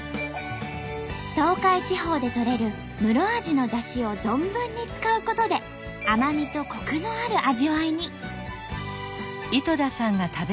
東海地方でとれるムロアジのだしを存分に使うことで甘みとコクのある味わいに。